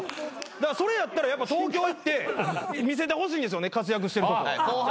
それやったらやっぱ東京行って見せてほしいんですよね活躍してるとこ。